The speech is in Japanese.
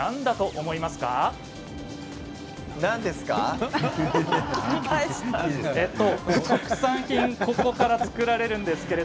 笑い声特産品がここから作られます。